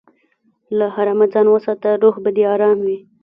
له حرامه ځان وساته، روح به دې ارام وي.